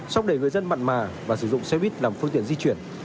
xong để người dân mặn mà và sử dụng xe buýt làm phương tiện di chuyển